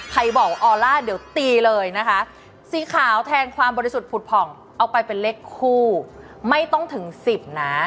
ใครบอกออล่าเดี๋ยวตีเลยนะคะสีขาวแทนความบริสุทธิ์ผุดผ่องเอาไปเป็นเลขคู่ไม่ต้องถึง๑๐นะ